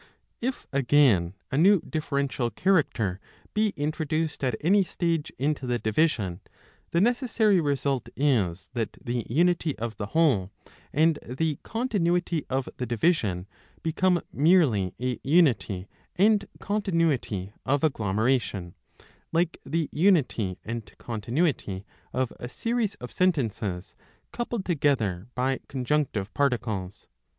If, again, a new differential character be introduced at any stage into the division, the necessary result is that the unity of the whole, and the continuity of the division, become merely a unity and continuity of agglomeration, like the unity and con tinuity of a series of sentences coupled together by conjunc tive particles.